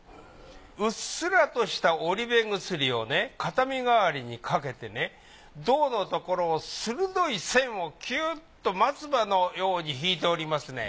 うっすらとした織部釉をね片身替わりにかけてね胴のところを鋭い線をキューッと松葉のように引いておりますね。